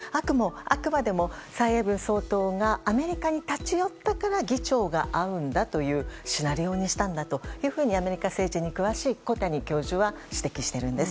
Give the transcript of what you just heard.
だから中国のメンツにも配慮してあくまでも蔡英文総統がアメリカに立ち寄ったから議長が会うんだというシナリオにしたんだとアメリカ政治に詳しい小谷教授は指摘しているんです。